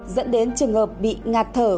dẫn đến trường hợp bị ngạt thở